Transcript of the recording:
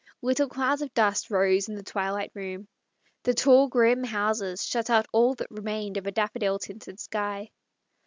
Little clouds of dust rose in the twilight room. The tall, grim houses shut out all that remained of a daffodil tinted sky.